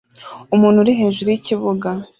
Umuntu uri hejuru yikibuga